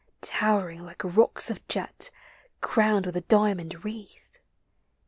Towering like rocks of jet Crowned with a diamond wreath.